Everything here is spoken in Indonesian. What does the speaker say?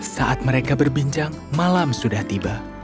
saat mereka berbincang malam sudah tiba